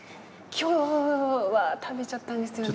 今日は食べちゃったんですよね？